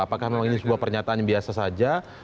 apakah memang ini sebuah pernyataan yang biasa saja